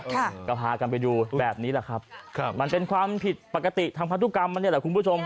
ทีนี้แล้วก็พาไปดูแบบนี้ล่ะครับมันเป็นความผิดปกติทางพันธุกรรมอันนี้แหละครับคุณผู้ชม